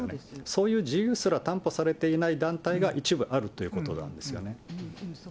そういう自由すら担保されていない団体が一部あるということなんそこの一部ですよね。